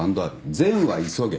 善は急げ。